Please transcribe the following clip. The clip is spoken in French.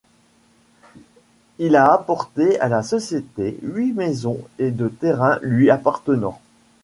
Il a apporté à la société huit maisons et de terrain lui appartenant.